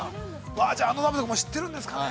じゃあ、あの鍋とかも知ってるんですかね。